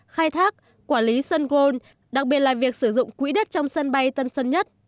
khai thác quản lý sân gôn đặc biệt là việc sử dụng quỹ đất trong sân bay tân sơn nhất